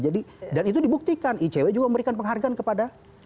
jadi dan itu dibuktikan icw juga memberikan penghargaan kepada